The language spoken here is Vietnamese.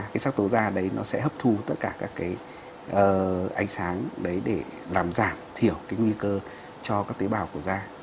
cái sắc tố da đấy nó sẽ hấp thu tất cả các cái ánh sáng đấy để làm giảm thiểu cái nguy cơ cho các tế bào của da